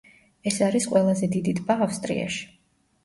ეს არის ყველაზე დიდი ტბა ავსტრიაში.